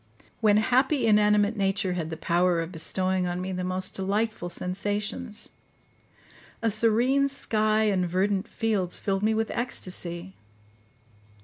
When happy, inanimate nature had the power of bestowing on me the most delightful sensations. A serene sky and verdant fields filled me with ecstasy.